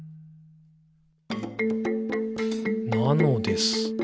「なのです。」